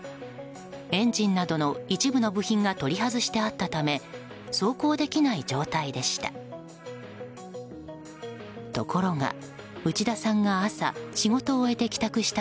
エンジンなどの一部の部品が取り外してあったため走行できない状態でした。